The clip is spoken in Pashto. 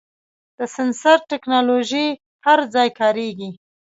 د سنسر ټکنالوژي هر ځای کارېږي.